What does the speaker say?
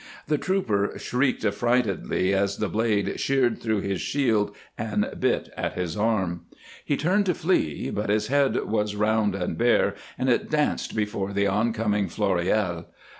The trooper shrieked affrightedly as the blade sheared through his shield and bit at his arm. He turned to flee, but his head was round and bare, and it danced before the oncoming Floréal.